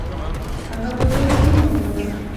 هغه بودايي دین ومانه